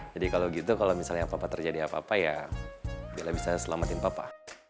jadi kalau gitu kalau misalnya apa apa terjadi apa apa ya bella bisa selamatin papa